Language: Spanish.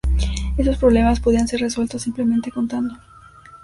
Esos problemas podían ser resueltos simplemente contando.